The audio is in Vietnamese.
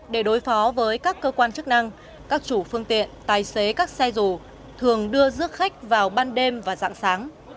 để đối phó với các cơ quan chức năng các chủ phương tiện tài xế các xe dù thường đưa rước khách vào ban đêm và dạng sáng